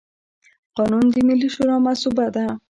قانون د ملي شورا مصوبه ده.